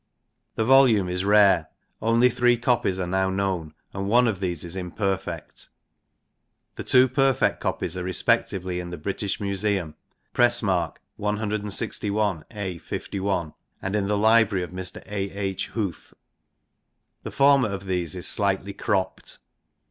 The volume is rare ; only three copies are now known, and one of these is imperfect. The two perfect copies are respectively in the British Museum (Press Mark 161 a 51), and in the library of Mr. A. H. Huth. The former of these is slightly cropped.